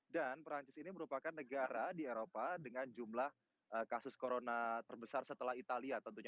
dan perancis ini merupakan negara di eropa dengan jumlah kasus corona terbesar setelah italia tentunya